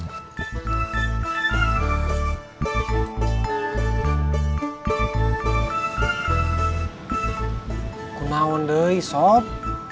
aku mau nanti sob